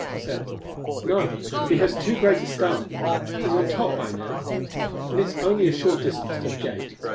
She said: "No he has too great a start. He's on top by now, and it's only a short distance to the gate.